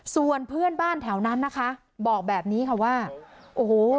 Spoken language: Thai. ส่วนเพื่อนบ้านแถวนั้นนะคะบอกแบบนี้ค่ะว่าโอ้โห